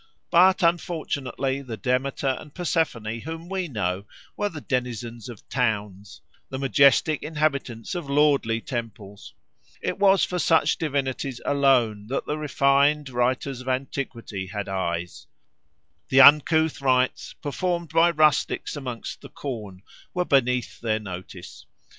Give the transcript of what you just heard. But unfortunately the Demeter and Persephone whom we know were the denizens of towns, the majestic inhabitants of lordly temples; it was for such divinities alone that the refined writers of antiquity had eyes; the uncouth rites performed by rustics amongst the corn were beneath their notice.